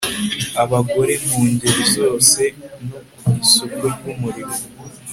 abagore mu ngeri zose no ku isoko ry'umurimo